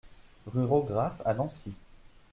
Rue Raugraff à Nancy